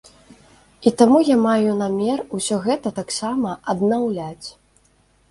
І таму я маю намер усё гэта таксама аднаўляць.